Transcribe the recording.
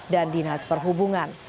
dan dinas perhubungan